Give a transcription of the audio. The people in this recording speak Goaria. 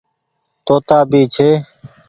توتآ ڀي ڇي۔